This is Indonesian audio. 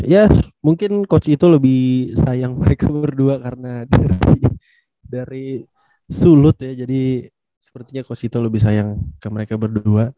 ya mungkin coach itu lebih sayang mereka berdua karena dari sulut ya jadi sepertinya co sito lebih sayang ke mereka berdua